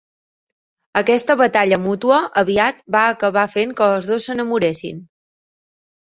Aquesta batalla mútua aviat va acabar fent que els dos s"enamoressin.